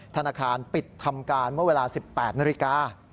ธนาคารปิดทำการเมื่อเวลา๑๘นาฬิกา